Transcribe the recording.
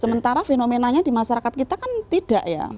sementara fenomenanya di masyarakat kita kan tidak ya